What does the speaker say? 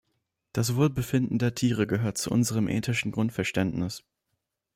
Das Wohlbefinden der Tiere gehört zu unserem ethischen Grundverständnis.